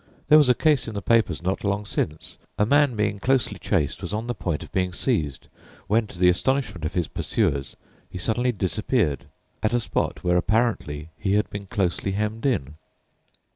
There was a case in the papers not long since; a man, being closely chased, was on the point of being seized, when, to the astonishment of his pursuers, he suddenly disappeared at a spot where apparently he had been closely hemmed in.